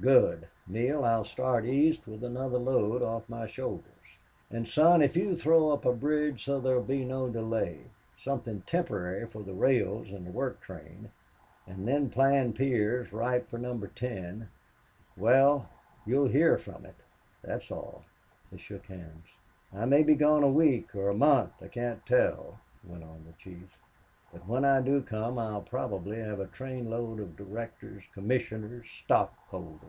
"Good! Neale, I'll start east with another load off my shoulders.... And, son, if you throw up a bridge so there'll be no delay, something temporary for the rails and the work train, and then plan piers right for Number Ten well you'll hear from it, that's all." They shook hands. "I may be gone a week or a month I can't tell," went on the chief. "But when I do come I'll probably have a trainload of directors, commissioners, stockholders."